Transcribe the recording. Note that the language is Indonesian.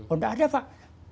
oh nggak ada pak